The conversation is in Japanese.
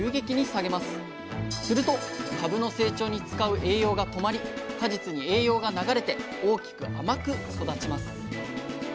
すると株の成長に使う栄養が止まり果実に栄養が流れて大きく甘く育ちます。